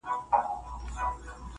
زلفـي را تاوي کړي پــر خپلـو اوږو,